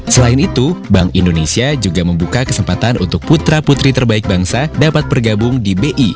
selain itu bank indonesia juga membuka kesempatan untuk putra putri terbaik bangsa dapat bergabung di bi